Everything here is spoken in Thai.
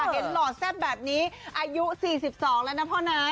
หล่อแซ่บแบบนี้อายุ๔๒แล้วนะพ่อนาย